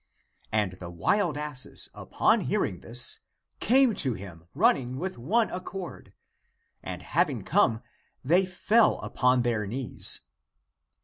And the wild asses upon hearing this, came to him running with one accord ; and having come, they fell upon their knees.